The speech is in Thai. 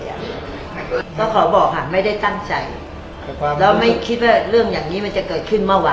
ก็ขอบอกค่ะไม่ได้ตั้งใจแล้วไม่คิดว่าเรื่องอย่างนี้มันจะเกิดขึ้นเมื่อวาน